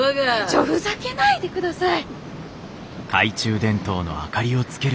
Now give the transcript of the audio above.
ちょふざけないでください！